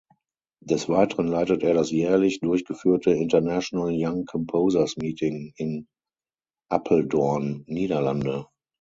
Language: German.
Des Weiteren leitet er das jährlich durchgeführte "International Young Composers Meeting" in Apeldoorn Niederlande.